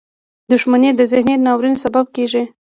• دښمني د ذهني ناورین سبب کېږي.